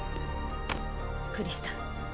クリスタ。